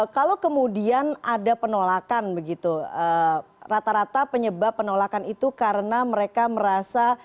kalau kemudian ada penolakan begitu rata rata penyebab penolakan itu karena mereka merasa